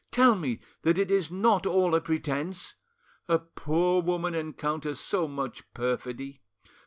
Tell me that it is not all a pretence! A poor woman encounters so much perfidy.